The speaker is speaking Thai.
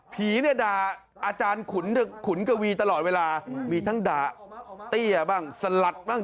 ผีเนี่ยด่าอาจารย์ขุนขุนกวีตลอดเวลามีทั้งด่าเตี้ยบ้างสลัดบ้าง